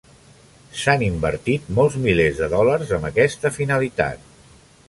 S'han invertit molts milers de dòlars amb aquesta finalitat.